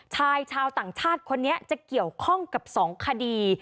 ชายชาวต่างชาติคนนี้จะเกี่ยวข้องกับ๒คดี